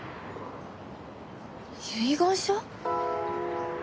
遺言書？